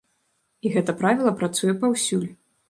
І гэта правіла працуе паўсюль.